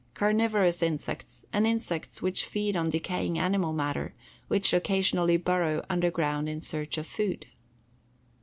Carnivorous insects, and insects which feed on decaying animal matter, which occasionally burrow underground in search of food.